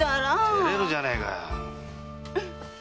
てれるじゃねえか。